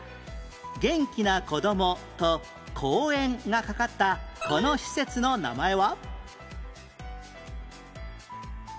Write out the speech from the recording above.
「元気な子ども」と「公園」がかかったこの施設の名前は？